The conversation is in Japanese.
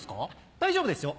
大丈夫ですよ